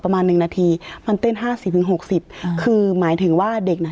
ประมาณหนึ่งนาทีมันเต้นห้าสิบถึงหกสิบคือหมายถึงว่าเด็กน่ะ